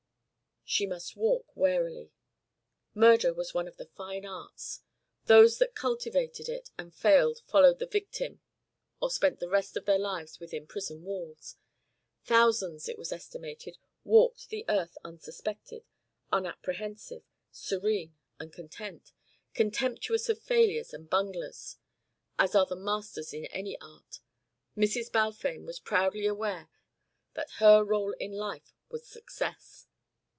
She must walk warily. Murder was one of the fine arts. Those that cultivated it and failed followed the victim or spent the rest of their lives within prison walls. Thousands, it was estimated, walked the earth unsuspected, unapprehensive, serene and content contemptuous of failures and bunglers, as are the masters in any art. Mrs. Balfame was proudly aware that her rôle in life was success.